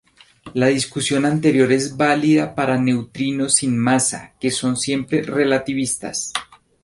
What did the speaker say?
La discusión anterior es válida para neutrinos sin masa, que son siempre relativistas.